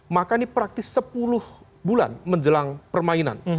maka ini praktis sepuluh bulan menjelang permainan